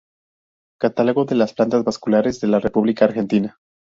Catálogo de las plantas vasculares de la república Argentina.